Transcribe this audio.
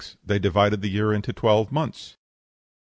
They divided the year into twelve months.